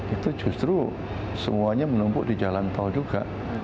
itu justru semuanya menumpuk di jalan tol juga